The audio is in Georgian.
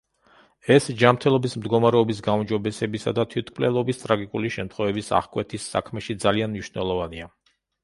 ეს ჯანმრთელობის მდგომარეობის გაუმჯობესებისა და თვითმკვლელობის ტრაგიკული შემთხვევების აღკვეთის საქმეში ძალიან მნიშვნელოვანია.